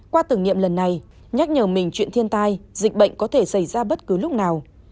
qua tưởng niệm lần này nhắc nhở mình chuyện thiên tai dịch bệnh có thể xảy ra bất cứ lúc nào